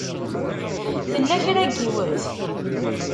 Tella kra n yiwet?